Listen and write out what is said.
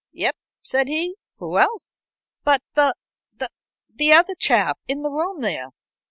"Yep," said he. "Who else?" "But the the other chap in the room there?"